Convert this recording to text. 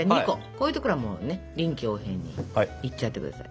こういうところはもうね臨機応変にいっちゃってください。